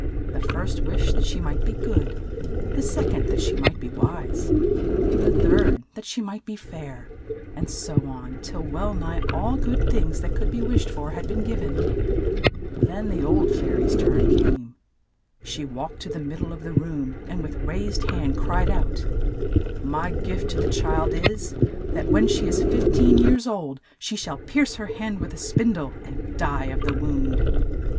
The first wished that she might be good : the sec ond, that she might be wise ; the third, that she might be fair, and so on, till well nigh all good things that could be wished for had been giv en. Then the old fai ry's turn came. She walked to the mid die of the room, and with raised hand cried out, ''My gift to the child is — that when she is fif teen years old, she shall pierce her hand with a spin die, and die of the wound."